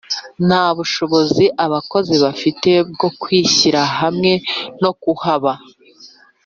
Nta bushobozi abakozi bafite bwo kwishyira hamwe no kuhaba